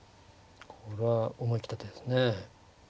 これは思い切った手ですね。